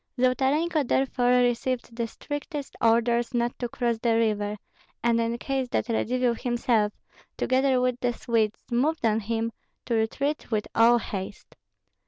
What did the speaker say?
Zolotarenko therefore received the strictest orders not to cross the river, and in case that Radzivill himself, together with the Swedes, moved on him, to retreat with all haste.